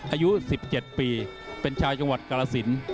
อายุ๑๗ปีเป็นชาวจังหวัดกรสิน